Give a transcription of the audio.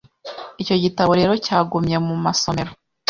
Icyo gitabo rero cyagumye mu masomero